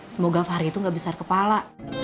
semoga fahri itu gak besar kepala